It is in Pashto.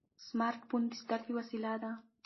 سمارټ فون د زده کړې وسیله ده.